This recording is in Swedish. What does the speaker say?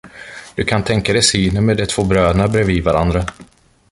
Du kan tänka dig synen med de två bröderna bredvid varandra.